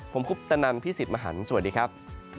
ผมคุปตนันพี่สิทธิ์มหันฯสวัสดีครับ